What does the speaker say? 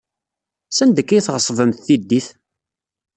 Sanda akka ay tɣeṣbemt tiddit?